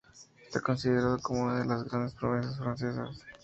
Está considerado como una de las grandes promesas francesas.